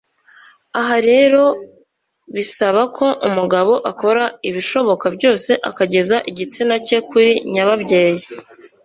Aha rero bisaba ko umugabo akora ibishoboka byose akageza igitsina cye kuri nyababyeyi